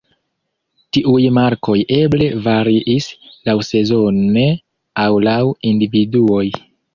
Tiuj markoj eble variis laŭsezone aŭ laŭ individuoj.